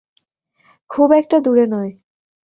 খুব একটা দূরে নয়।